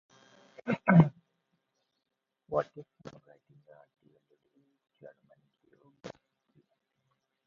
What tips on writing the article did Eric Foreman give Becky?